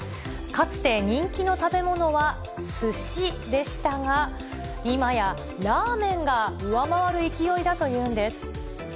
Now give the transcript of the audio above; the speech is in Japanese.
かつて人気の食べ物はすしでしたが、いまやラーメンが上回る勢いだというんです。